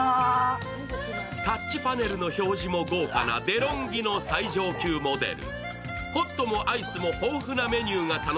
タッチパネルの表示も豪華なデロンギの最上級モデル。